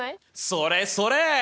それそれ！